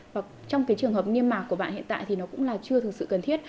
và trong cái trường hợp niêm mạc của bạn hiện tại thì nó cũng là chưa thực sự cần thiết